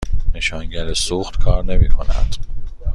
نشانگر سوخت کار نمی کند.